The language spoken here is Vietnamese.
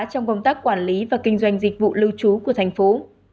trong công tác quản lý và kinh doanh dịch vụ lưu trú của thành phố